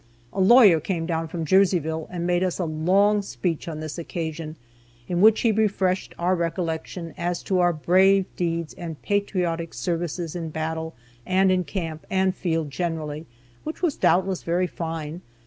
A lawyer came down from Jerseyville and made us a long speech on this occasion, in which he refreshed our recollection as to our brave deeds and patriotic services in battle, and in camp and field generally, which was doubtless very fine.